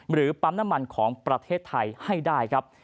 ปั๊มน้ำมันของประเทศไทยให้ได้ครับ